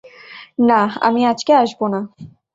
না, আমি আজকে আসবো না।